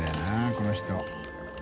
この人。